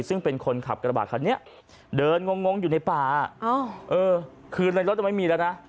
ซึ่งเป็นคนขับกระบาดคันนี้เดินงงอยู่ในป่าเออคือในรถยังไม่มีแล้วนะ